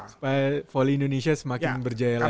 supaya voli indonesia semakin berjaya lagi